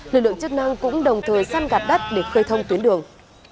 lực lượng chức năng cũng đồng thời săn gạt đất để khơi thông tuyến đường